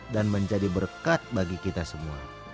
dan menjadi berkat bagi kita semua